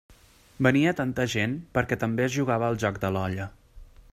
Venia tanta gent perquè també es jugava al joc de l'olla.